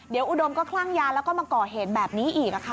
เดี๋ยวอุดมก็คลั่งยาแล้วก็มาก่อเหตุแบบนี้อีกค่ะ